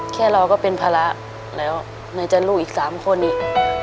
แค่เราก็เป็นภาระแล้วไหนจะลูกอีก๓คนอีก